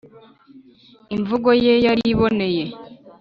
imvugo ye yari iboneye,